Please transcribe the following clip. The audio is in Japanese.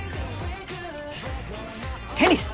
テニス！